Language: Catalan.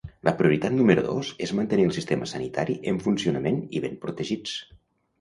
La prioritat número dos és mantenir el sistema sanitari en funcionament i ben protegits.